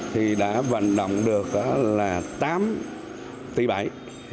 thì đã vận động được là tám tỷ bảy